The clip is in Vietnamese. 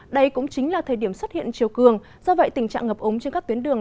đây cũng chính là thời điểm xuất hiện chiều cường do vậy tình trạng ngập ống trên các tuyến đường